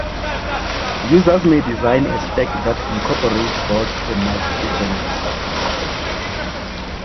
Users may design a stack that incorporates boards from multiple vendors.